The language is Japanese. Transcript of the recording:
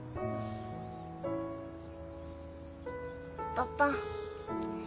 パパ。